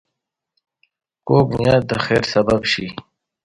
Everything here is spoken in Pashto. کوږ نیت د خیر سبب نه شي